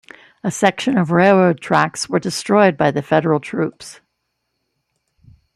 A section of railroad tracks were destroyed by the Federal troops.